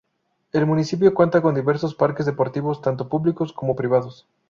El municipio cuenta con diversos parques deportivos tanto públicos como privados.